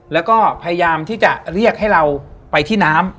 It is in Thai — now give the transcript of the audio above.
แล้วก็พยายามที่จะเรียกให้เราไปที่น้ำ